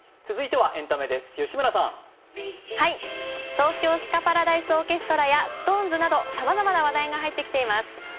東京スカパラダイスオーケストラやＳｉｘＴＯＮＥＳなどさまざまな話題が入ってきています。